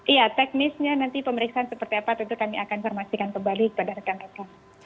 iya teknisnya nanti pemeriksaan seperti apa tentu kami akan informasikan kembali kepada rekan rekan